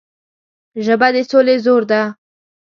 ژبه د سولې زور ده